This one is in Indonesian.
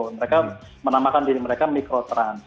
mereka menamakan diri mereka mikrotrans